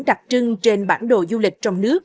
đặc trưng trên bản đồ du lịch trong nước